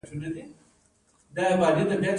د وینادرو د غږ لپاره د توت شربت وکاروئ